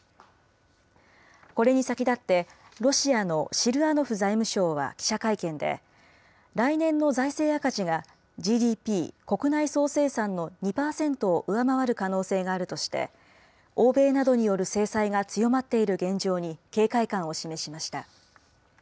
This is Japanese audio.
これに先立って、ロシアのシルアノフ財務相は記者会見で、来年の財政赤字がＧＤＰ・国内総生産の２％を上回る可能性があるとして、欧米などによる制裁が強まっている現状に警戒感を示しました。